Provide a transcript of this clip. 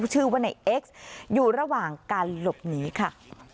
ชื่อว่าในเอ็กซ์อยู่ระหว่างการหลบหนีค่ะ